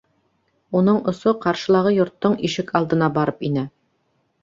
Уның осо ҡаршылағы йорттоң ишек алдына барып инә.